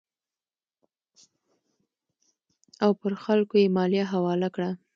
او پر خلکو یې مالیه حواله کړه.